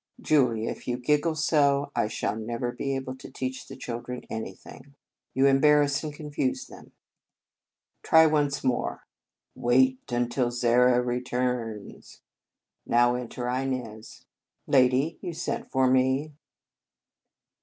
Julia, if you giggle so, I shall never be able to teach the children anything. You embarrass and confuse them. Try 57 In Our Convent Days once more: Wait until Zara returns. Now enter Inez. Lady, you sent for me.